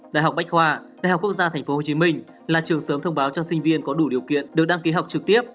đại học bách khoa đại học quốc gia tp hcm là trường sớm thông báo cho sinh viên có đủ điều kiện được đăng ký học trực tiếp